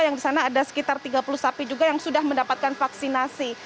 yang di sana ada sekitar tiga puluh sapi juga yang sudah mendapatkan vaksinasi